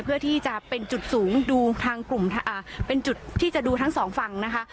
เพื่อที่จะเป็นจุดสูงดูทางกลุ่มเป็นจุดที่จะดูทั้งสองฝั่งนะคะ